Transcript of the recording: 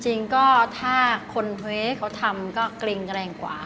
จริงก็ถ้าคนเฮ้ยเขาทำก็เกร็งแรงกว่า